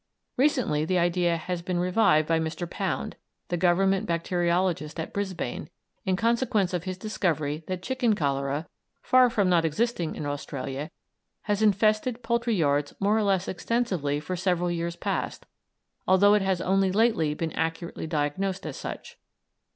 Recently the idea has been revived by Mr. Pound, the Government bacteriologist at Brisbane, in consequence of his discovery that chicken cholera, far from not existing in Australia, has infested poultry yards more or less extensively for several years past, although it has only lately been accurately diagnosed as such.